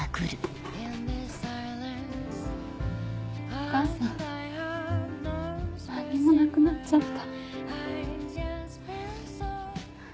お母さん何にもなくなっちゃった。